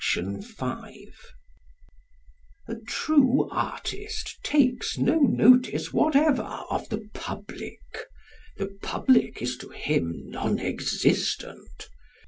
_A true artist takes no notice whatever of the public. The public is to him non existent.